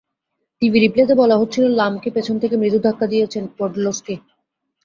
TV রিপ্লেতে বলা হচ্ছিল, লামকে পেছন থেকে মৃদু ধাক্কা দিয়েছেন পোডলস্কি।